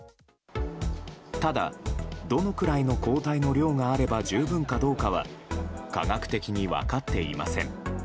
ただ、どのくらいの抗体の量があれば十分かどうかは科学的に分かっていません。